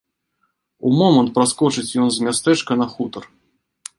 У момант праскочыць ён з мястэчка на хутар.